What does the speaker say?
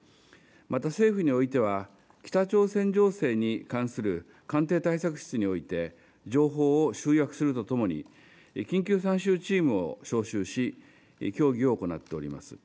また政府においては北朝鮮情勢に関する官邸対策室において情報を集約するとともに、緊急参集チームを招集し、協議を行っております。